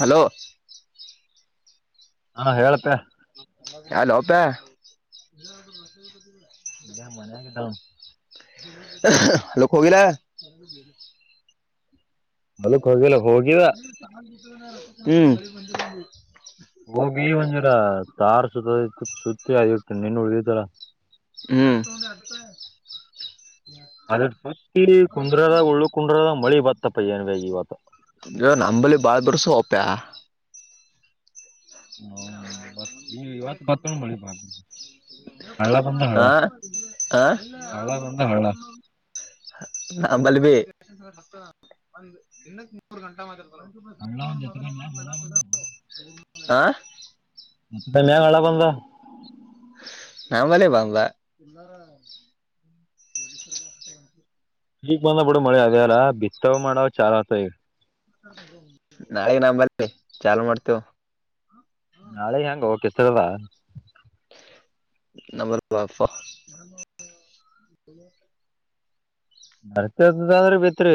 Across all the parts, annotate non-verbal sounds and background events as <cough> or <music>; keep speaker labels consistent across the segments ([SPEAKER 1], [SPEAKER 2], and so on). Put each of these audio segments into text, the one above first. [SPEAKER 1] hello
[SPEAKER 2] ಹಾ ಹೇಳಪ್ಪ
[SPEAKER 1] hello ಪೆ
[SPEAKER 2] ಇಲ್ಲ ಮನೆಗಿದ್ದ
[SPEAKER 1] ಲಕೋೋಗಿಲ್ಲ
[SPEAKER 2] ಮಲಕ್ ಹೋಗಿಲ್ಲ ಹೋಗಿದ
[SPEAKER 1] ಹ್ಮ್
[SPEAKER 2] ಈ ತಾರ್ ಸುತ್ತತ್ತು ಸುತ್ತಿ ಆಯಟ್ಟು ನಿನ್ ಉಳಿದಿದಾರ
[SPEAKER 1] ಹ್ಮ್
[SPEAKER 2] ಅದ್ರ ಸುತ್ತಿ ಕುಂದ್ರದಾಗ ಉಳ್ಳು ಕುಂಡ್ರದಾಗ ಮಳಿ ಬತ್ತಪ್ಪಯ್ಯನ್ವ ಇವತ್ತು
[SPEAKER 1] ನೀ ನಂಬಲ್ಲಿ ಬಾಳ ಬರು ಸ ಒಪ್ಯಾ
[SPEAKER 2] ಇವತ್ ಈ ಇವತ್ ಬತ್ತ ಮಳಿ ಬಾ ಹಳ್ಳ ಬಂದ
[SPEAKER 1] <unintelligible>
[SPEAKER 2] ಹಳ್ಳ
[SPEAKER 1] ಆಾ ಆ
[SPEAKER 2] ಹಳ್ಳ ಬಂದ ಹಳ್ಳ
[SPEAKER 1] ನಂಬಬ ಮೂ ಗಂಟ
[SPEAKER 2] ಹಳ್ಳ ಒಂದ್ ಜೊತೆಗೆ ಮ್ಯಾಗ
[SPEAKER 1] ಆಾ
[SPEAKER 2] ಮ್ಯಾ ಹಳಾ ಬಂದ
[SPEAKER 1] ನಾಂಗಲೆ ಬಂಗ
[SPEAKER 2] ಈಗ್ ಬಂದ ಬಿಡು ಮಳಿ ಅದದೆ ಅಲ್ಲ ಬಿತ್ತವ್ ಮಾಡವ ಚಾ ಆತ ಈ
[SPEAKER 1] ನಾಳೆ ನರಿ ಚಾ ಮಾಡ್ತೇವ
[SPEAKER 2] ನಾಳೆ ಹೆಂಗ ಹೋಗಕ್ತರಲ್ಲ
[SPEAKER 1] ನಂಬರ್ಪ
[SPEAKER 2] ನರ್ತತದಂದ್ರೆ ಬಿತ್ರಿ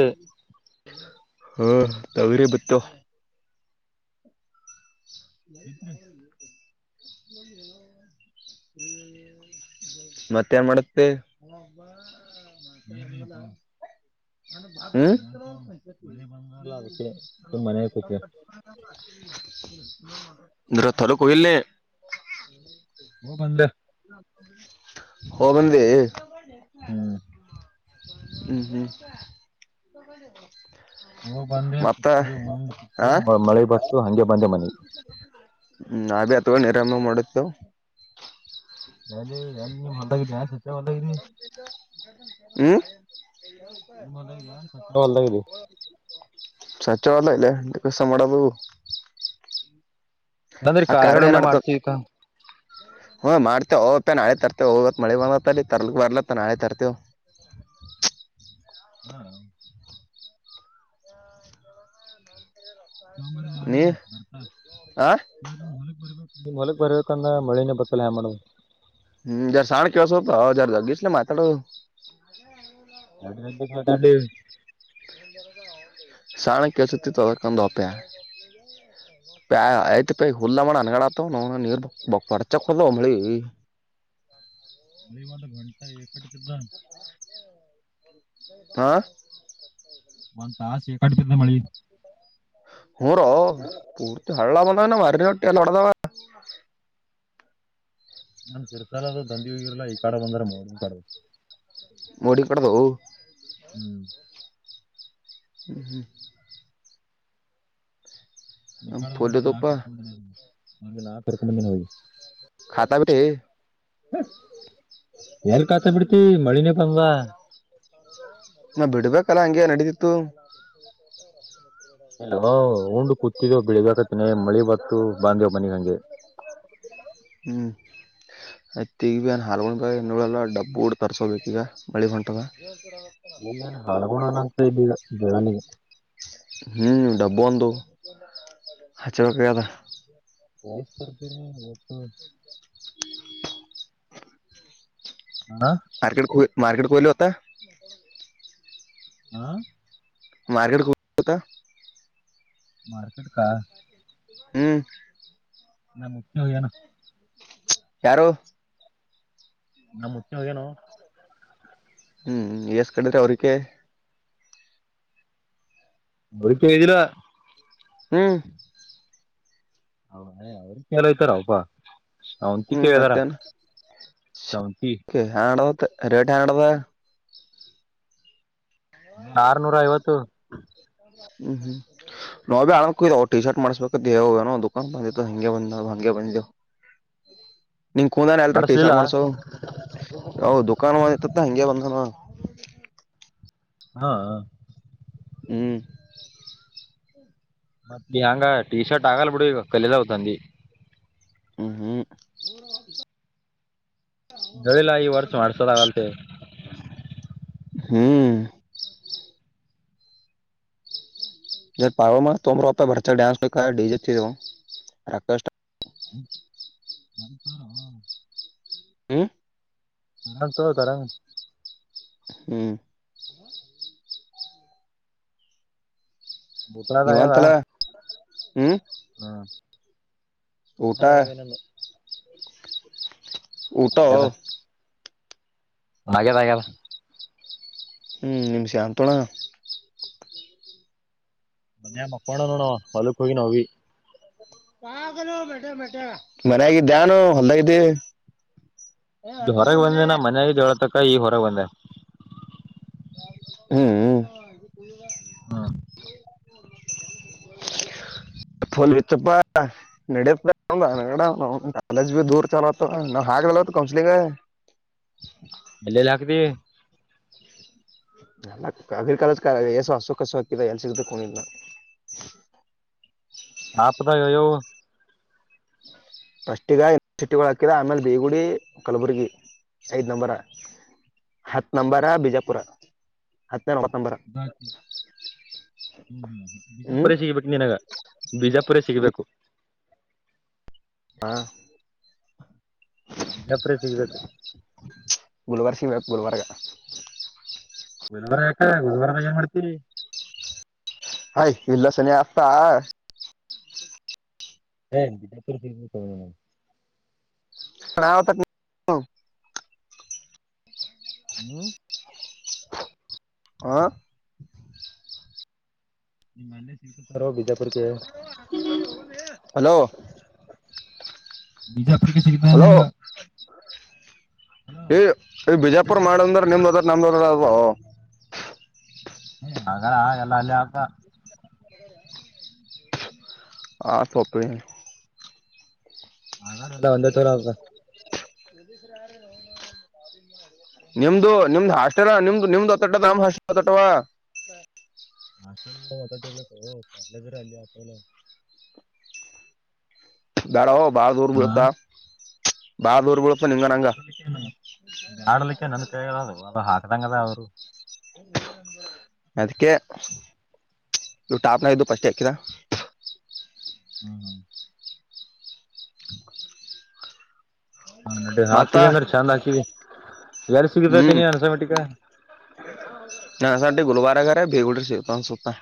[SPEAKER 1] ಹಾ ತಾವರಿ ಬತ <unintelligible> ಮತ್ತೆ ಮಾಡಡಕ್ಕೆ
[SPEAKER 2] ಏನುಪ್ಪ
[SPEAKER 1] <unintelligible> ರ
[SPEAKER 2] ಮಳೆ ಬಂದಲ್ಲ ಅದಕ್ಕೆ ಮನೆ ಕೂತ
[SPEAKER 1] ರಥರು ಕಹಲ
[SPEAKER 2] ಬಂದ
[SPEAKER 1] ಹ ಬಂದಿ
[SPEAKER 2] ಹ್ಮ್
[SPEAKER 1] ಹ್ಮ್ ಹ್ಮ್
[SPEAKER 2] ಹ ಬಂದೆ
[SPEAKER 1] ಮತ್ತ ಆ
[SPEAKER 2] ಮಳೆ ಬಟ್ಟು ಹಗೆ ಬಂದೆ ಮನೆಿ
[SPEAKER 1] ಹ್ಮ್ ಆ ಬಿಿ ಅಥವಾವ ನಿರಾಮ ನ ಮಾಡದು ತ
[SPEAKER 2] ಗ ಗ ನೀ ಭಲಲಿ ಯ ಸವ ಭಲ
[SPEAKER 1] ಹ
[SPEAKER 2] ನಿಮ್ ಹೊಲ್ದಾಗಿದ ಏನ್ ಸ್ವಚ್ಛ ಹೊಲ್ದಾಗಿದಿ
[SPEAKER 1] ಸಾಚೋಲ್ಲ ಇಲ್ಲ ಸಾಬಡ ಬು
[SPEAKER 2] ನಂದ್ರ ಕಾಲುಗಡೆ ಏನ ಮಾಡ್ತವಿಿಕ
[SPEAKER 1] ಹ್ಮ್ ಮಾಡ್ತೇವ ನಾಳೆ ತರ್ತೆೇವ ಹೋಗತ್ ಮಳೆ ಬ ತರ್ ಬರ್ಲತ್ತ ನಾಳೆ ತರ್ತೆೇವ <inaudible>
[SPEAKER 2] ಹ್ಮ್ ಸೋಮಂಬಾರಿ
[SPEAKER 1] ನೀ
[SPEAKER 2] ನಾಳೆ ಬರ್ತಾ
[SPEAKER 1] ಆ
[SPEAKER 2] ಇವ ಹೊಲಕ್ ಬರ್ಬೇಕು ನಿಮ್ ಹೊಲಗ್ ಬರ್ಬೇಕಂದ್ರೆ ಮಳಿನ ಬತ್ತಲ್ಲ ಹ ಮಾಡದು
[SPEAKER 1] ಹ್ಮ್ ಜಾರ ಶಾಣ ಕವಸೊಪ ಹ ಜಾರ ಜಗಿಿಸ ಮಾತಾಡ
[SPEAKER 2] ಎೋ <inaudible>
[SPEAKER 1] ಸಣ್ಣ ಕೆಸತಿ ತಲ್ಲಕಂದುಪೇ ಪ ಐ್ತ <unintelligible> ಪೈ ಹುಲ್ಲ ಮಾಡ ಅನಗಡತ ನೀರ್ ಬ ಬರ್ಚಕ್ ಹಲ್ಲ ಒಮ್ಮಳಿ
[SPEAKER 2] ಮಳಿ ಒಂದು ಗಂಟ ಎಕಟ್ಟಿದ್ದ <unintelligible>
[SPEAKER 1] ಹಾ
[SPEAKER 2] ಒಂದ್ ತಾಸ ಕಡ್ತಿಂದ ಮಳಿ
[SPEAKER 1] ಹ್ಞ ರೋ ಪೂರ್ತಿ ಹಳ್ಳಲ ಬಂದ ಮಾರಿನ ಹೊಟ್ಟಿ ಲಡದಾವ <unintelligible>
[SPEAKER 2] ನಮ ತಿರ್ಸಾಲ ಅದು ದಂ <unintelligible> ಇಲ್ಲ ಈ ಕಾಡ ಬಂದ್ರೆ ಮೋಡಿ ಕಾಡ
[SPEAKER 1] ಮಡ ಕೊಡದ
[SPEAKER 2] ಹ್ಮ್
[SPEAKER 1] ಹ್ಮ್ ಹ್ಮ್
[SPEAKER 2] ಈ ಕಾಲದಲ್ಲಿ ಬಂದ್ರ
[SPEAKER 1] ಪೋಲಿದಪ್ಪ
[SPEAKER 2] ನಾಕರ್ಕಿನ ನಾತ್ರಕೊಂಡಂದಿನೋಗಿ <unintelligible>
[SPEAKER 1] ಾತಾ ಬಿಿಟ್ಟ <unintelligible>
[SPEAKER 2] ಎಲ್ ಕಾತಾ ಬಿಡ್ತಿ ಮಳಿನ ಕಂಗ
[SPEAKER 1] ನ ಬಿಡ್ಬೇಕಲ್ಲ ಹಂಗೆ ನಡೀತಿತ್ತು
[SPEAKER 2] ಉಂಡು ಕೂತಿದ್ದ ಬೆಳಿಬೇಕತ್ತಿನನೆ ಮಳಿ ಬತ್ತು ಬಾಂದಿ ಮನೆಮ ಹಂಜೆ
[SPEAKER 1] ಹ್ಮ್ ಯ್ತ್ ಈಗ ಭ ಅನ್ ಹಲ್ಗೊಂಡ್ ಬೋಡಲ್ಲ ಡಬ್ಬ ಊಡ್ ತರ್ಸೋಬೇಕ ಈಗ ಮಳಿ ಹೊಂಟದ
[SPEAKER 2] ಇಲ್ಲ ಏನ್ ಹಾಳ್ಕೋನ ಅಂತ ಇಲ್ಲಿ ಈಗ ಬೆಳನಿಗೆ
[SPEAKER 1] ಹ್ಮಡಾಬ್ಬಂದಂದು ಹಚೆೇಕ
[SPEAKER 2] ವಸ್ ತರ್
[SPEAKER 1] ಮಾರ್ಕೆಟ್ ಮಾರ್ಕೆಟ್ ಕೊಲ ಅತ್ತ
[SPEAKER 2] ಹ
[SPEAKER 1] ಮಾರ್ಕೆಟ್ ಕತ
[SPEAKER 2] ಮಾರ್ಕೆಟ್ ಕ
[SPEAKER 1] ಹ್ಮ್
[SPEAKER 2] ನಾ ಮು ಹಯಾನ
[SPEAKER 1] ಯಾರು
[SPEAKER 2] ನಮ್ಮ ಮುಟ್ಟಿನಿ ಹೋಗೇನು
[SPEAKER 1] ಹ್ಮ್ ಎಸ್ ಕಡೆರೆ ಅವ್ರಕ
[SPEAKER 2] ಮೂ ಕೆೇಜಿಲ
[SPEAKER 1] ಹ್ಮ್
[SPEAKER 2] ಹ ಅವಲ್ಲ ಯತ ರಾವಪಾ
[SPEAKER 1] ಹ್ಮ್ ಮತ್ತ
[SPEAKER 2] ಶಾವಂತಿ
[SPEAKER 1] ರೇಟ್ ಹಡದ
[SPEAKER 2] ಆರ್ನೂರ ಐವತ್ತು
[SPEAKER 1] ಹ್ಮ್ ಹ್ಮ್ ನೋ ಭ ಆವು ಟಿ ಶರ್ಟ್ ಮಾಡ್ಸ್ಬೇಕೇವುಏನೋ ದುಕಾನ್ ಬಂದ ಹಂಗೆ ಬಂದಾವ್ ಹಂಗೆ ಬಂದವು ಹ್ಮ ನಿನ್ ಕೂಂದಾನ ಎಲ್ ಟೀ
[SPEAKER 2] ಮಾಡಸ್ಲಿಲ್ಲ
[SPEAKER 1] ಶಾರ್ ಮಾಡ್ಸೋ ಅ ದುಕಾ ಬಂದಿತ್ತತ್ತ ಹಂಗಗೆ ಬಂದನು
[SPEAKER 2] ಹಾ
[SPEAKER 1] ಹ್ಮ್
[SPEAKER 2] ಮತ್ತ ಹೆಂಗ ಟೀ ಶರ್ಟ್ ಆಗಲ್ ಬಿಡಿ ಕಲದಾವತಂದಿ
[SPEAKER 1] ಹ್ಮ್ ಹ್ಮ್
[SPEAKER 2] ಬೆಳಿಲ್ಲ ಈ ವರ್ಷ ಮಾಡ್ಸದಾಗಲ್ತೆ
[SPEAKER 1] ಹ್ಮ್ ಜ ಪಾವ ಅಮರ ಭರ್ತ ನ್ಸ್ ಡಿಜೆಕ್ ರಕಷ್ಟ
[SPEAKER 2] ಬಪಾರ <inaudible>
[SPEAKER 1] ಹ್ಮ
[SPEAKER 2] ನಾ ತೋತರಂಗ
[SPEAKER 1] ಹ್ಮ್
[SPEAKER 2] ಬೂತಲದಗಾವ
[SPEAKER 1] ಹ್ಮ
[SPEAKER 2] ಹ್ಮ
[SPEAKER 1] ಊಟ
[SPEAKER 2] ಅದೆ ಅದೇ ನ
[SPEAKER 1] ಊಟ
[SPEAKER 2] ಆಗಿದೆ ಆಗಿದೆ
[SPEAKER 1] ಹ್ಮನಿಮ್ ಶಂತೋಣ
[SPEAKER 2] ಮನ್ಯ ಮಕ್ಕೊಂಡ ನೋ ಹೊಲಕ್ ಹೋಗಿ ನಿ
[SPEAKER 1] ಮನಯಾಗಿದ್ದೆನು ಹೊಲ್ದಾಗಿದ್ದ
[SPEAKER 2] ಹೊರಗೆ ಬಂದೇನ ಮನೆಯ ಜೊಳತಕ ಈ ಹೊರಗೆ ಬಂದ
[SPEAKER 1] ಹ್ಮ್
[SPEAKER 2] ಹಾ
[SPEAKER 1] <inaudible> ಲ್ ಇತ್ತಪ್ಪ ನಡತ ನಾಲಜ್ ಬಿ ದೂರ್ ಚಲೋತ್ ನಾವ್ ಹಾಗ ಕೌಂಸಲ್ಂಗ
[SPEAKER 2] ಎಲ್ಲೆಲ್ಲಿ ಹಾಕ್ದ
[SPEAKER 1] ಎಲ್ಲ ಅಗ್ರಿಕಾಲ ಎಸು ಹಸು ಕಸು ಹಾಕಿದ ಎಲ್ ಸಿಗದ ಕಿದ್ನ <inaudible>
[SPEAKER 2] ಹಾ ಪತ
[SPEAKER 1] ಹ್ಮ ಫಸ್ಟ್ ಈಗನರ್ಸಿಟಿಗಳು ಹಾಕಿದ ಆಮೇಲೆ ಬೇಗುಡಿ ಕಲಬುರ್ಗಿ ಐದ್ ನಂಬರ್ ಹತ್ ನಂಬರ್ ಬಿಜಾಪುರ ಹತ್ತು
[SPEAKER 2] ಬಾಕಿ ಹ್ಮ ಹ್ಮ
[SPEAKER 1] ಹ್ಮ್
[SPEAKER 2] ಬಿಜಾಪುರ ಸಿಗ್ಬೇಕು ನಿನಗ ಬಿಜಾಪುರ ಸಿಗ್ಬೇಕು
[SPEAKER 1] ಹಾ
[SPEAKER 2] ನಿಲ್ಲಪ್ರ ಸಿಗದು
[SPEAKER 1] ಗರವಾರಗಾಗ
[SPEAKER 2] ಹ ಗುಧವಾರ ಏನ್ ಮಾಡ್ತಿ
[SPEAKER 1] ಹಯ್ ಇಲ್ಲಾಸನ ಆತಾ
[SPEAKER 2] ಹ ಬಿಜಾಪು
[SPEAKER 1] ಕಾವ ತ
[SPEAKER 2] ಹ್ಮ
[SPEAKER 1] ಆ
[SPEAKER 2] ನಿಮ್ಮ್ ಮನೆೆ ಸಿತ
[SPEAKER 1] ಹಲೋ
[SPEAKER 2] ನಿಜ ಆಫ್ರಿಕ ಚತನ
[SPEAKER 1] ಈ ಬಿಜಾಪುರ್ ಮಾಡಂದ್ರ ನಿಮ್ದ ಅದ್ರ ನಮ್ದದ್ರ ಅ <inaudible>
[SPEAKER 2] ಹಾಗ ಎಲ್ಲ ಅಲ್ಲಿ ಆಕ <unintelligible>
[SPEAKER 1] ಹಾ ಸೊಪ <unintelligible>
[SPEAKER 2] ಹಲ್ಲ ಒಂದೇ ತೋರ ಆದ <inaudible>
[SPEAKER 1] ನಿಮ್ದು ನಿಮ್ದು ಹಾಷ್ಟರ ನಿಮ್ದು ನಿಮ್ದು ಅತ್ತಟ್ಟಾಮ್ <inaudible> ತೊಟವಾ <inaudible>
[SPEAKER 2] ಮಾಸ್ಟ ಹೊತಲ್ಲ ಕಲರ ಅಲ್ಲಿ ಆತಲ್ಲ <inaudible>
[SPEAKER 1] ಗಾಡ ಬಾರ ದರ್ ಬಿಳುತ್ತಾ ಬಾರ ದೂರ್ಬ <inaudible>
[SPEAKER 2] ಮಾಡಾಡಲಿಕ್ಕೆ ಮಾಡಾಡಲಿಕ್ಕೆ ನನಸ <inaudible> ದು ಅದು ಹಾಕ್ದಂಗದ ಅವರು <inaudible>
[SPEAKER 1] ಅದಕ್ಕೆ ಇವು ಟಾಪ್ನಾಗಿದ್ದು ಪಸ್ಟ್ ಹಾಕಿದ <inaudible>
[SPEAKER 2] ಹ್ಮ್ ಹ್ಮ <unintelligible> ಹ್ಮ <inaudible> ಹಾ ನಡಡಿ
[SPEAKER 1] ಮತ್ತ
[SPEAKER 2] ಹಾಕಿದೆ ಅಂದ್ರೆ ಚೆಂದ್ ಹಾಕಿದಿ ಎಾರಿ
[SPEAKER 1] ಹ್ಮ್
[SPEAKER 2] ಸಿಗತತನಿ ಅನ್ಸಮಟಿಕ <inaudible> ಹ <inaudible>
[SPEAKER 1] ಹ ಸ ಗುರುವಬಾರಾಘರ ಭೇಗುಡಿ ಶೇಪ ಸವತ <inaudible>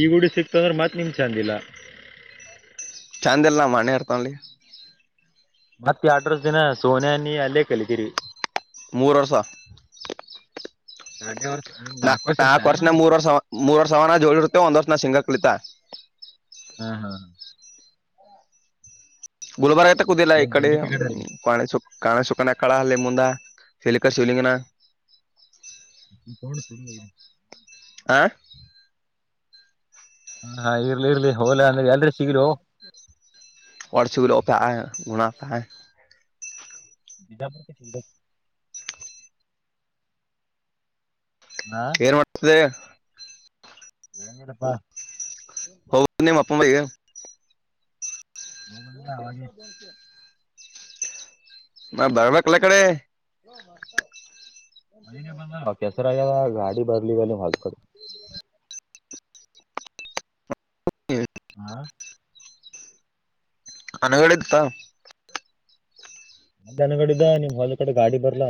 [SPEAKER 2] ಈ ಗುಡಿ ಸಿಕ್ತ ಅಂದ್ರೆ ಮತ್ ನಿಮ್ ಚೆಂದಿಲ್ಲ <inaudible>
[SPEAKER 1] ಚಾಂದ ಎಲ್ಲ ಮನ ಇರ್ತನ್ಲ್ಲ <inaudible>
[SPEAKER 2] ಮತ್ತೆ ಅಡ್ರಸ್ ದಿನ ಸೋನಿಯ ನೀಿ ಅಲ್ಲೇ ಕಲಿತೀರಿ <inaudible>
[SPEAKER 1] ಮೂರು ವರ್ಷ <inaudible>
[SPEAKER 2] ಅರ್ಷ <inaudible>
[SPEAKER 1] ನಾ ನಾಕಕ್ ವರ್ಷನ ಮೂರ್ವರ್ಷ ಮೂರ್ವರ್ ಸಾವ ಜೋಡಿ ಇರ್ತೇ ಒಂದ್ ವರ್ಷ ಸಿಂಗ ಕಲಿತಾ <inaudible>
[SPEAKER 2] ಹ್ಮ್ ಹಾ್ ಹಾ <unintelligible>
[SPEAKER 1] ಗುಲ್ಬಾರಯ ಕುೂುದಲ್ಲ
[SPEAKER 2] ಏನ್
[SPEAKER 1] ಇಕಡೆ
[SPEAKER 2] ಬೆಂಡಿಕೆ ಕಡೆ
[SPEAKER 1] ಪಾಣ ಚು <inaudible> ಕಾಣ ಶುಕನ ಕಳ ಅಲ್ಲಿ ಮುಂದ ಶಲಕ ಶಿವಲಿಂಗನ <inaudible>
[SPEAKER 2] ಕೋಡ್ ಶುರುರಿ <inaudible>
[SPEAKER 1] ಆ <inaudible>
[SPEAKER 2] ಹ್ಮ ಹಾ ಇರ್ಲಿ ಇರ್ಲಿ ಹೋಲಾ ಅಂದ್ರೆ ಎಲ್ ಸಿಗರು <inaudible>
[SPEAKER 1] ಒ ಚಿಕರಪ್ಪ ಗಣತ <inaudible>
[SPEAKER 2] ಬಿಜಾ ಬಕ್ಕೆ ಸಗ <inaudible> ನಾ
[SPEAKER 1] ಏನ್ ಮಾಡ್ತಿದೆ <inaudible>
[SPEAKER 2] ಏಂಗಡಪ್ಪಾ <inaudible>
[SPEAKER 1] ಹೌ ನೀ ಮಾಪ ಬೈಗೆ <inaudible> ನ್
[SPEAKER 2] ಹೋಗಂದ್ರ
[SPEAKER 1] ಶೆಪ್ಪ
[SPEAKER 2] ಅವಾಗೆ
[SPEAKER 1] ನ್ಶೆ <inaudible> ನಾ ಬರ್ಬೇಕಕ್ಲ್ಲ ಕಡೆ <inaudible>
[SPEAKER 2] ಕೆಸರಲ್ಲ ಗಾಡಿ ಬರ್ಲಿ ಅ ಹೊಲ್ ಕ <unintelligible> ಹಾ
[SPEAKER 1] ಅನಗಡೆತ್ತ <inaudible>
[SPEAKER 2] ನ ಅನಗಡಿದ್ದ ನಿವ್ ಹೊಲ <inaudible> ಬರ್ಲಾ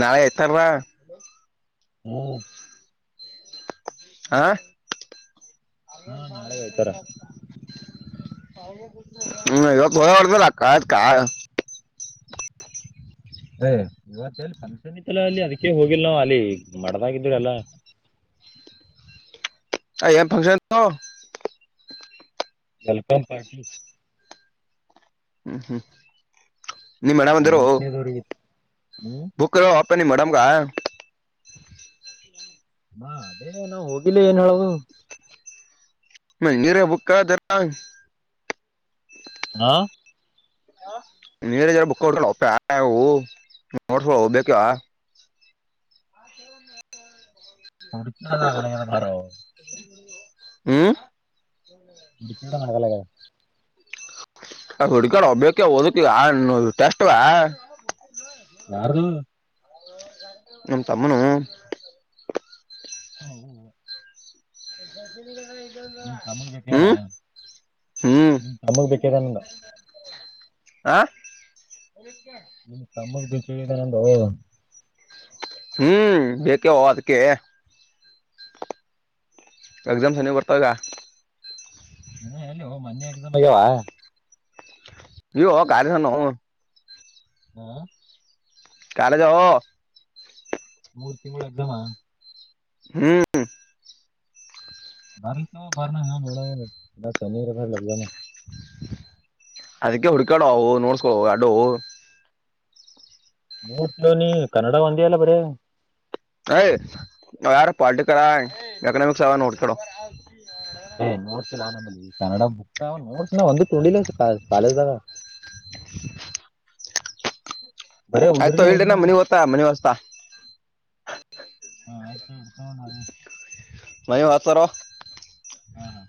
[SPEAKER 1] ನಾಳೆ ಎತಾರವಾ <inaudible>
[SPEAKER 2] ಹ್ಮ್ <inaudible>
[SPEAKER 1] ಆ <inaudible> ಅ <inaudible>
[SPEAKER 2] ಹಾ ನಾಳೆ ಆಯ್ತಾರ
[SPEAKER 1] ಹ್ಮಗ ಪ ಒಬೇಕಕ್ಕತ್ ಕ <inaudible>
[SPEAKER 2] ಇವಫಕ್ಷನ್ ಇತ್ತ ಅಲ್ಲಿ ಅದಕ್ಕೆ ಹೋಗಿಲ್ ನಾವ್ ಅಲ್ಲಿ <inaudible> ಮಾಡಡದಾಗಿದ್ದೀರಲ್ಲ <inaudible>
[SPEAKER 1] ಅನ್ ಫಂಕ್ಷನ್ <inaudible>
[SPEAKER 2] ವೆಲ್ಕಮ ಪಾರ್ಟಿ <inaudible>
[SPEAKER 1] ಹ್ಮ್ ಹ್ಮ್ <inaudible> ಅಂದಿರು
[SPEAKER 2] ಎಂಟನೇದಗತ್ತು <inaudible>
[SPEAKER 1] ಬುಕ್ ಒೆ ನೀ ಮಡಾಮ ಕ <inaudible>
[SPEAKER 2] ಹಾ ಅದೇ ನಾವ್ ಹೋಗಿಲ್ಲ ಏನ್ ಹೇಳದು <inaudible>
[SPEAKER 1] ಮ ನೀರ ಬುಕ್ಕಾದರಾ
[SPEAKER 2] ಹಾ
[SPEAKER 1] ನೀರರ ಬುಕ್ ಒಪ್ಪ್ಯವು ನೀ ನೋಡ್ಸ್ ಹೋಗ್ಬೇಕ
[SPEAKER 2] ಹ ಬರ
[SPEAKER 1] ಹ್ಮ ಹುಡ್ಗ ಒಬ್ಬಕ್ಕೆ ಓದಕ ಇ ಟೆಸ್ಟ್ವಾ
[SPEAKER 2] ಕಾರಣ
[SPEAKER 1] ನಮ ತಮ್ಮನುೂ
[SPEAKER 2] ಹ
[SPEAKER 1] ಬಲೆ
[SPEAKER 2] ನಿನ್ ತಮಳ್ ಬೇಕದ
[SPEAKER 1] ಹ್ಮ್
[SPEAKER 2] ನಿನ್ ತಮಳ್ ಬೇಕಿದೆ
[SPEAKER 1] ಹಾ
[SPEAKER 2] ನಿನ್ ತಮ್ಮಗ್ ಬಿದ ನಂದು
[SPEAKER 1] ಹ್ಮ್ ಬೇಕಾವ ಅದಕ್ಕೆ ಎಕ್ಸಾಮ್ಸ್ನಿ ಬರ್ತಾಗ
[SPEAKER 2] ನ ಎಲ್ಲಿ ಮನ್ನ ಎಸ
[SPEAKER 1] ನೀ ಕಾರ ನ
[SPEAKER 2] ಹಾ
[SPEAKER 1] ಕಾಲಜವ
[SPEAKER 2] ಮೂರ್ತಿ ಮೂಳದಮ
[SPEAKER 1] ಹ್ಮ್
[SPEAKER 2] ಬಾರ ನ ಬಾರ ನ ಹಾ ನಡಾವ ಎಲ್ಲ ತನರ್ದ ಲಗಾನ
[SPEAKER 1] ಅದಕ್ಕೆ ಹುಡ್ಕಾಡು ಅವು ನೋಡ್ಸ್ಕೊ ಎಡು
[SPEAKER 2] ನೋಡ್ತವ ನೀ ಕನ್ನಡ ಒಂದಿಲ್ಲ ಬರ
[SPEAKER 1] ಹ್ ಯಾರ ಪಾಲಟಿಕಲ್ ಎಕನಮಕ್ಸ್ ಅವು ಎನ ಹುಡುಕ್ಯಡು
[SPEAKER 2] ಏ್ ನೋಡ್ಸಿಲ್ಲಾ ನಲ್ಲಿ ಕನ್ನಡ ಬುಕ್ ನೋಡ್ಸಿನ ಒಂದ ನೋಲ್ಲ ಕಾಲೇಜ್ದಾಗ
[SPEAKER 1] <unintelligible>
[SPEAKER 2] ಬರೇ
[SPEAKER 1] ಆಯ್ತ
[SPEAKER 2] ಉದ್ರಿನೇ
[SPEAKER 1] ಇಲ್ರಿನ
[SPEAKER 2] ಓದಿದೆ ನಾ
[SPEAKER 1] ಮನಿ ಓ್ತ ಮನಿ ಹಸ್ತಾ
[SPEAKER 2] ಹಾ ಆಯ್ತು ನಾವೇ
[SPEAKER 1] ಮನಿಯ ಹತರ
[SPEAKER 2] ಹಾ ಹಾ